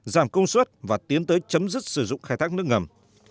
giảm công suất và tiến tới chấm dứt sử dụng khai thác nước ngầm